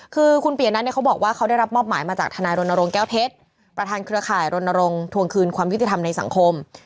คือคุณปียนัทเนี่ยเขาบอกว่าเขาได้รับมอบหมายมาจากทนายรณรงค์แก้วเพชรประธานเครือข่ายรณรงค์ทวงคืนความยุติธรรมในสังคม